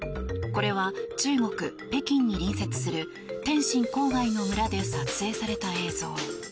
これは中国・北京に隣接する天津郊外の村で撮影された映像。